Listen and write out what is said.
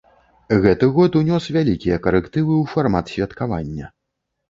Гэты год унёс вялікія карэктывы ў фармат святкавання.